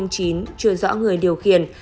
chưa rõ người điều khiển